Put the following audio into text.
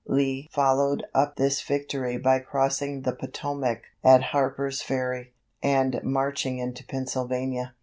Lee followed up this victory by crossing the Potomac at Harper's Ferry, and marching into Pennsylvania.